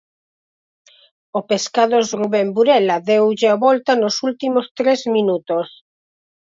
O Pescados Rubén Burela deulle a volta nos últimos tres minutos.